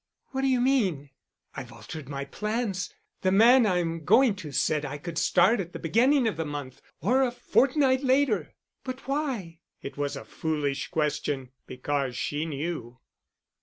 "What d'you mean?" "I've altered my plans. The man I'm going to said I could start at the beginning of the month or a fortnight later." "But why?" It was a foolish question, because she knew.